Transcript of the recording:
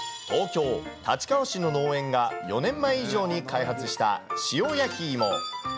東京・立川市の農園が、４年前以上に開発した塩やきいも。